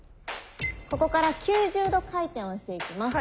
ここから９０度回転をしていきます。